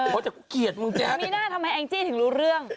เขาจะเกลียดมึงแจ๊มีหน้าทำไมแองจี้ถึงรู้เรื่อง